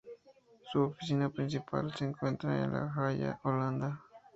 Su oficina principal se encuentra en La Haya, Holanda.